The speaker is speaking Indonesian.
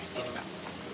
nah ini mbak